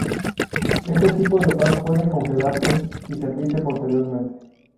Este tipo de pan puede congelarse y servirse posteriormente.